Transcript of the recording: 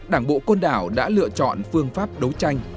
đảng bộ côn đảo đã lựa chọn phương pháp đấu tranh